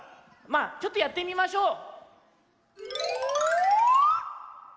まあちょっとやってみましょう。